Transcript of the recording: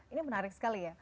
ini menarik sekali ya